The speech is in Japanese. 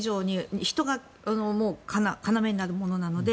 人が要になるものなので。